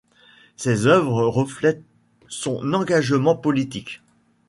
Ses œuvres reflètent son engagement politique.